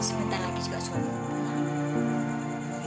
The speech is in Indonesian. sebentar lagi juga suami